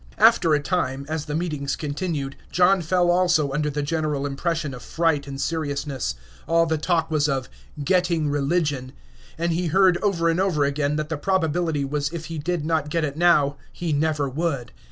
After a time, as the meetings continued, John fell also under the general impression of fright and seriousness. All the talk was of "getting religion," and he heard over and over again that the probability was if he did not get it now, he never would.